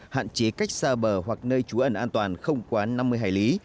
hạn chế cách xa bờ hoặc nơi trú ẩn an toàn không quá năm mươi hải lý